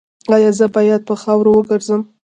ایا زه باید په خاورو وګرځم؟